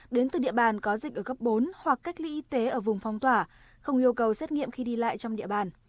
đến từ địa bàn có dịch ở cấp bốn hoặc cách ly y tế ở vùng phong tỏa không yêu cầu xét nghiệm khi đi lại trong địa bàn